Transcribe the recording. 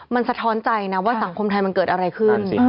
มันสะท้อนใจนะว่าสังคมไทยมันเกิดอะไรขึ้น